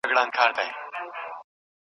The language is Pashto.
ولي هڅاند سړی د لوستي کس په پرتله بریا خپلوي؟